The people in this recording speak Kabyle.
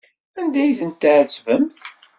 Anda ay tent-tɛettbemt?